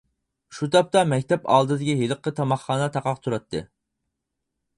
شۇ تاپتا مەكتەپ ئالدىدىكى ھېلىقى تاماقخانا تاقاق تۇراتتى.